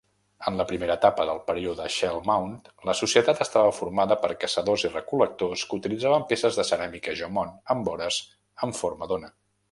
En la primera etapa del període Shell Mound, la societat estava formada per caçadors i recol·lectors que utilitzaven peces de ceràmica Jomon amb vores en forma d'ona.